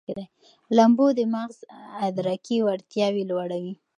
لامبو د مغز ادراکي وړتیاوې لوړوي.